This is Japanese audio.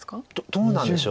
どうなんでしょう。